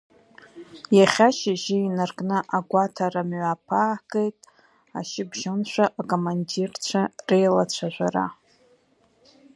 Иахьа шьыжьы инаркны агәаҭара мҩаԥаагеит, ашьыбжьоншәа акомандирцәа реилацәажәара.